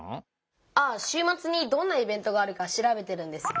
あ週末にどんなイベントがあるか調べてるんです。